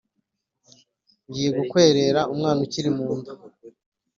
ngiye gukwerera umwana ukiri mu nda."